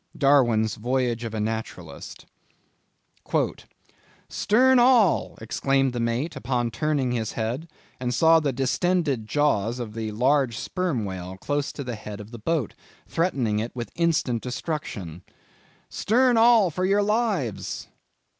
—Darwin's Voyage of a Naturalist. "'Stern all!' exclaimed the mate, as upon turning his head, he saw the distended jaws of a large Sperm Whale close to the head of the boat, threatening it with instant destruction;—'Stern all, for your lives!